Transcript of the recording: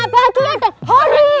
bahagia dan hori